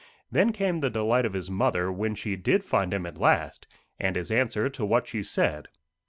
Then came the delight of his mother when she did find him at last, and his answer to what she said.